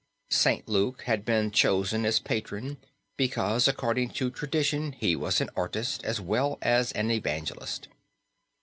St. Luke had been chosen as patron because according to tradition he was an artist as well as an evangelist.